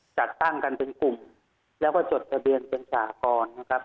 จัดตั้งกันเป็นกลุ่มแล้วก็จดทะเบียนเป็นสหกรนะครับ